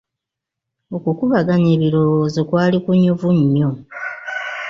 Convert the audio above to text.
Okukubaganya ebirowoozo kwali kunyuvu nnyo.